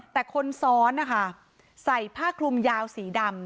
แต่คนซ้อนนะคะใส่ผ้าคลุมยาวสีดำ